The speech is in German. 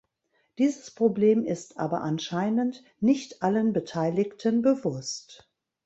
Dieses Problem ist aber anscheinend nicht allen Beteiligten bewusst.